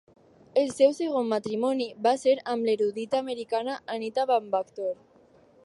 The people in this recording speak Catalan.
El seu segon matrimoni va ser amb l'erudita americana Anita Van Vactor.